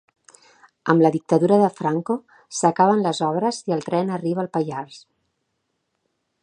Amb la dictadura de Franco s'acaben les obres i el tren arriba al Pallars.